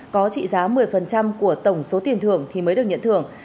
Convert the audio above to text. có trị giá một mươi của tổng số tiền thưởng thì mới được nhận thưởng